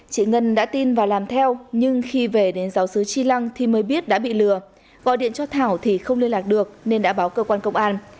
chị ngân đã tin và làm theo nhưng khi về đến giáo sứ chi lăng thì mới biết đã bị lừa gọi điện cho thảo thì không liên lạc được nên đã báo cơ quan công an